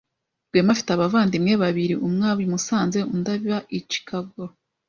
Rwema afite abavandimwe babiri. Umwe aba i Musanze undi aba i Chicago.